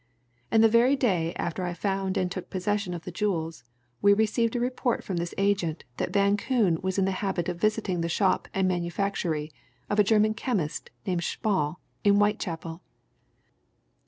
And the very day after I found and took possession of the jewels we received a report from this agent that Van Koon was in the habit of visiting the shop and manufactory of a German chemist named Schmall, in Whitechapel.